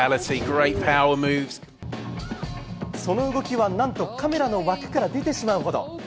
その動きは何とカメラの枠から出てしまうほど。